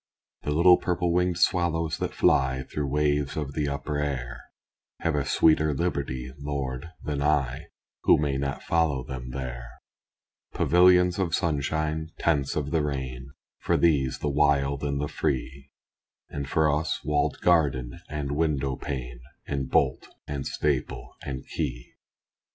The little purple winged swallows that fly Through waves of the upper air, Have a sweeter liberty, Lord, than I, Who may not follow them there. Pavilions of sunshine tents of the rain, For these, the wild and the free; And for us walled garden and window pane, And bolt and staple and key.